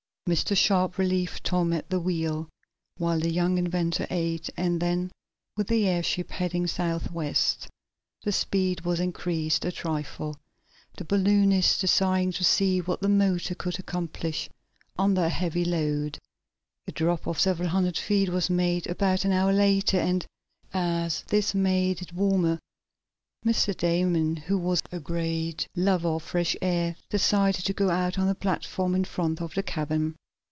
Mr. Sharp relieved Tom at the wheel, while the young inventor ate, and then, with the airship heading southwest, the speed was increased a trifle, the balloonist desiring to see what the motor could accomplish under a heavy load. A drop of several hundred feet was made about an hour later, and, as this made it warmer, Mr. Damon, who was a great lover of fresh air, decided to go out on the platform in front of the cabin.